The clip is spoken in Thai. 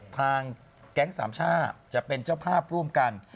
ทางแก๊งสามช่าจะเป็นเจ้าภาพร่วมกัน